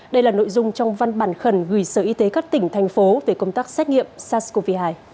đây là nội dung trong văn bản khẩn gửi sở y tế các tỉnh thành phố về công tác xét nghiệm sars cov hai